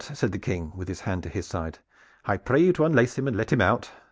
said the King, with his hand to his side. "I pray you to unlace him and let him out!